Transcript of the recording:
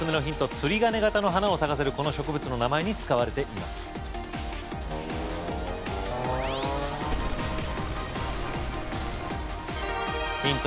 釣り鐘型の花を咲かせるこの植物の名前に使われていますヒント